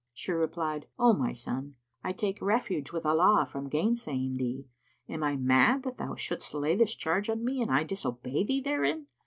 She replied, "O my son, I take refuge with Allah[FN#84] from gainsaying thee! Am I mad that thou shouldst lay this charge on me and I disobey thee therein?